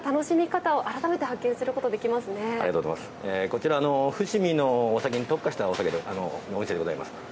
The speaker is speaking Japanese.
こちら伏見のお酒に特化したお店でございます。